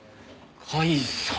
甲斐さん？